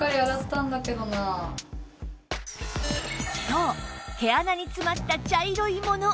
そう毛穴に詰まった茶色いもの